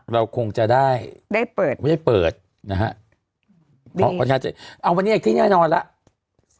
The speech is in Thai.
เราคงจะได้ไม่ได้เปิดนะฮะเอาวันนี้อีกที่แน่นอนแล้ว